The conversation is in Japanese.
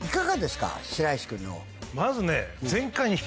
まずね。